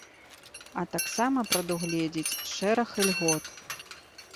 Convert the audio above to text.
А таксама прадугледзіць шэраг ільгот.